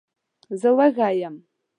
زه وږی یم.